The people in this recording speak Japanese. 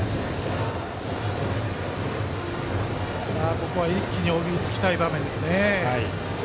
ここは一気に追いつきたい場面ですね。